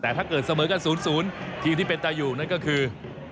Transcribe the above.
แต่ถ้าเกิดเสมอกัน๐๐สุโขทัยทีมที่เป็นนั้นก็คือ